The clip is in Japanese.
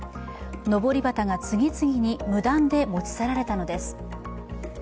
のぼり旗が次々に無断で持ち去られたのです。